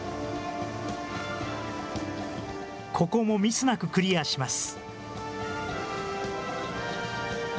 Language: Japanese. ここもミスなくクリアします。